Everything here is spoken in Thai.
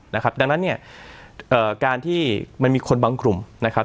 นะครับดังนั้นเนี่ยเอ่อการที่มันมีคนบางกลุ่มนะครับ